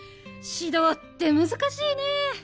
指導って難しいね。